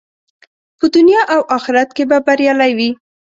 په دنیا او آخرت کې به بریالی وي.